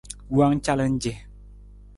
Wowang calan ce.